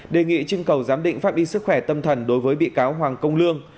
đề nghị trưng cầu giám định phát đi sức khỏe tâm thần đối với bị cáo hoàng công lương